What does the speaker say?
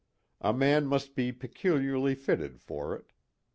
A man must be peculiarly fitted for it.